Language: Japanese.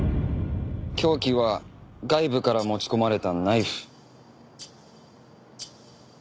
凶器は外部から持ち込まれたナイフ。